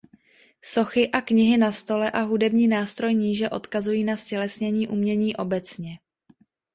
Sochy a knihy na stole a hudební nástroj níže odkazují na ztělesnění umění obecně.